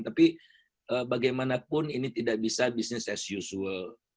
tapi bagaimanapun ini tidak bisa business as usual